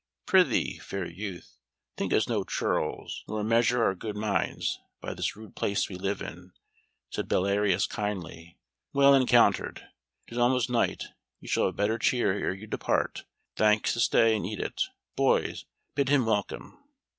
"Prithee, fair youth, think us no churls, nor measure our good minds by this rude place we live in," said Belarius kindly. "Well encountered! 'Tis almost night; you shall have better cheer ere you depart, and thanks to stay and eat it. Boys, bid him welcome."